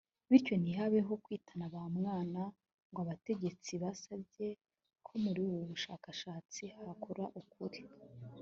bityo ntihabeho kwitana ba mwana ngo abategetsi basabye ko muri ubu bushakashatsi hakora ukuri